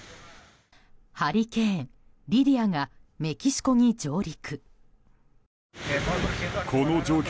ハリケーン、リディアがメキシコに上陸。